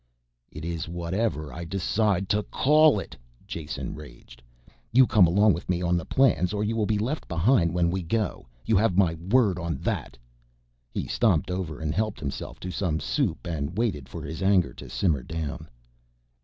"It is whatever I decide to call it!" Jason raged. "You come along with me on the plans or you will be left behind when we go. You have my word on that." He stomped over and helped himself to some soup and waited for his anger to simmer down.